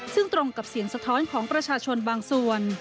ซึ่งตรงกับเสียงสะท้อนของประชาชนบางส่วน